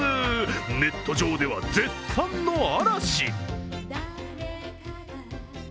ネット上では絶賛の嵐。